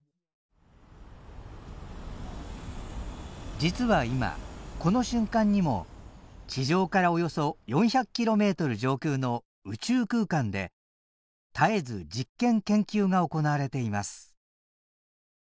実は今この瞬間にも地上からおよそ４００キロメートル上空の宇宙空間で絶えず実験研究が行われています。